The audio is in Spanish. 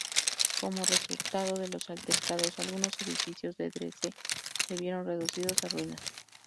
Como resultado de los altercados, algunos edificios de Dresde se vieron reducidos a ruinas.